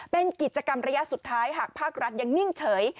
เป็นกิจกรรมระยะสุดท้ายหากภาครัฐยังนิ่งเฉย